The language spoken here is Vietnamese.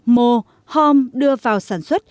mô hôm đưa vào sản xuất